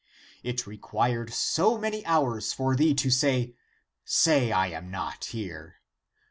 It required so many hours for thee to say, Say I am not here